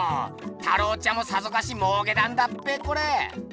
太郎ちゃんもさぞかしもうけたんだっぺコレ。